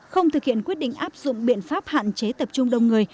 không thực hiện quyết định áp dụng biện pháp hạn chế tập trung đông người